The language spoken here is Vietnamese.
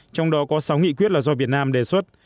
trong đó có sáu nghị quyết là do việt nam đề xuất